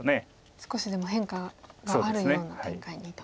少しでも変化があるような展開にと。